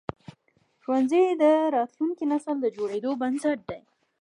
ښوونځي د راتلونکي نسل د جوړېدو بنسټ دي.